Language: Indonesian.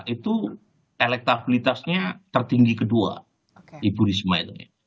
itu elektabilitasnya tertinggi kedua ibu risma itu ya